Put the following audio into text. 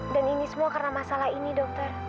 dan ini semua karena masalah ini dokter